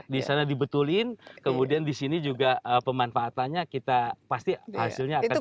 disana dibetulin kemudian disini juga pemanfaatannya kita pasti hasilnya akan segini